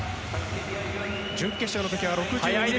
準決勝の時は６２秒。